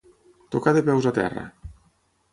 Tocar de peus a terra.